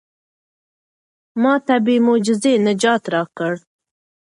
ما ته بې معجزې نجات راکړه.